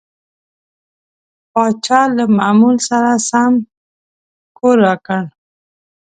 پاچا له معمول سره سم کور راکړ.